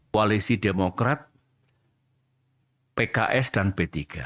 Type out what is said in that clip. koalisi demokrat pks dan p tiga